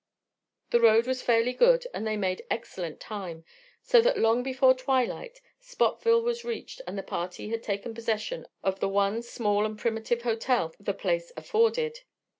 The road was fairly good and they made excellent time, so that long before twilight Spotville was reached and the party had taken possession of the one small and primitive "hotel" the place afforded.